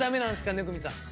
生見さん。